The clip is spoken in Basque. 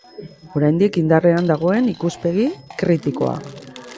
Oraindik indarrean dagoen ikuspegi kritikoa.